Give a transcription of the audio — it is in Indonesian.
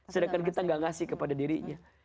sedangkan kita gak ngasih kepada dirinya